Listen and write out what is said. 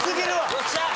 よっしゃー！